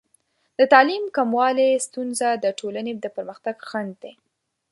د تعلیم د کموالي ستونزه د ټولنې د پرمختګ خنډ دی.